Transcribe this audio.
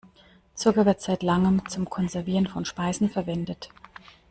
Zucker wird seit langem zum Konservieren von Speisen verwendet.